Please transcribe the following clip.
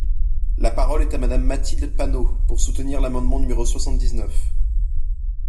La parole est à Madame Mathilde Panot, pour soutenir l’amendement numéro soixante-dix-neuf.